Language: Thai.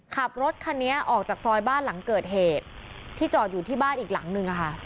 ขับรถคันนี้ออกจากซอยบ้านหลังเกิดเหตุที่จอดอยู่ที่บ้านอีกหลังนึง